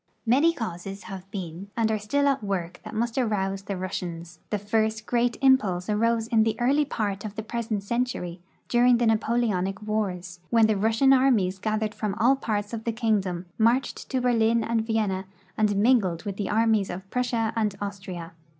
Many causes have been and are still at work that must arouse the Russians. Tlie first great impulse arose in the early part of the iH'esent century, during the Napoleonic wars, when the Rus sian armies gathered from all parts of the kingdom, marched to Berlin and Vienna, and mingled with the armies of Prussia and Austria.